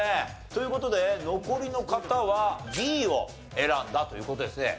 という事で残りの方はＤを選んだという事ですね。